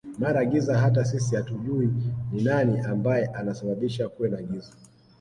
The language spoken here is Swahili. mara giza hata sisi hatujuwi ni nani ambaye ana sababisha kuwe na giza